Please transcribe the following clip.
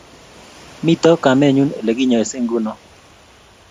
Mito kammennyu ole kinyaisei nguno